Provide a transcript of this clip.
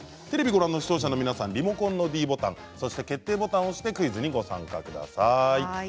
テレビをご覧の視聴者の皆さんもリモコンのｄボタンそして決定ボタンを押してクイズご参加ください。